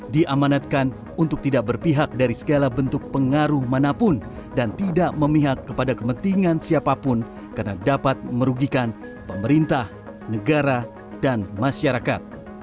diamanatkan untuk tidak berpihak dari segala bentuk pengaruh manapun dan tidak memihak kepada kepentingan siapapun karena dapat merugikan pemerintah negara dan masyarakat